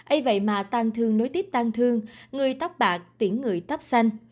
ây vậy mà tan thương nối tiếp tan thương người tóc bạc tiễn người tóc xanh